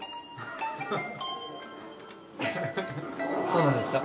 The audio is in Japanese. そうなんですか？